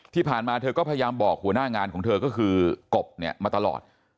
ที่ผ่านมาเธอก็พยายามบอกหัวหน้างานของเธอก็คือกบเนี่ยมาตลอด